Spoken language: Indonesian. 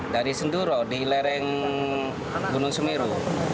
dari senduro di lereng gunung semeru